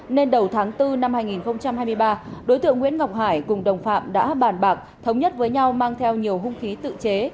nên đầu tháng bốn năm hai nghìn hai mươi ba đối tượng nguyễn ngọc hải cùng đồng phạm đã bàn bạc thống nhất với nhau mang theo nhiều hung khí tự chế